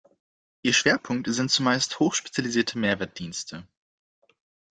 Ihr Schwerpunkt sind zumeist hochspezialisierte Mehrwertdienste.